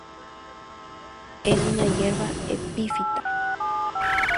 Es una hierba epífita.